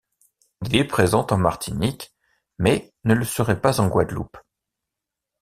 Il est présent en Martinique mais ne le serait pas en Guadeloupe.